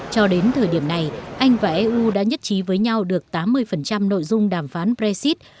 cho đến thời điểm này anh và eu đã nhất trí với nhau được tám mươi nội dung đàm phán brexit